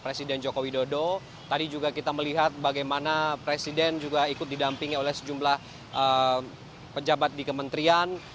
presiden joko widodo tadi juga kita melihat bagaimana presiden juga ikut didampingi oleh sejumlah pejabat di kementerian